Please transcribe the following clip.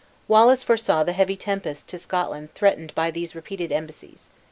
Wallace foresaw the heavy tempest to Scotland threatened by these repeated embassies.